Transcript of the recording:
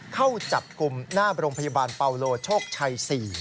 เข้าจับกลุ่มหน้าโรงพยาบาลเปาโลโชคชัย๔